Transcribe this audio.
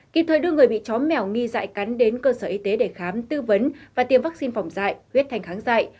kịp thời đưa người bị chó mèo nghi dạy cắn đến cơ sở y tế để khám tư vấn và tiêm vắc xin phòng dạy huyết thành kháng dạy